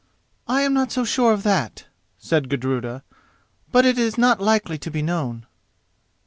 "I am not so sure of that," said Gudruda; "but it is not likely to be known."